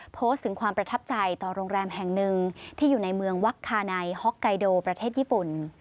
โพสต์ถึงความประทับใจต่อโรงแรมแห่งหนึ่งที่อยู่ในเมืองวักคาไนฮ็อกไกโดประเทศญี่ปุ่น